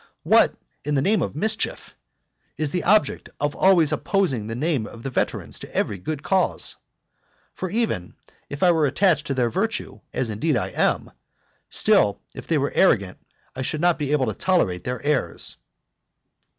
What, in the name of mischief! is the object of always opposing the name of the veterans to every good cause? For even if I were attached to their virtue, as indeed I am, still, if they were arrogant I should not be able to tolerate their airs.